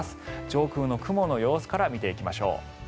上空の雲の様子から見ていきましょう。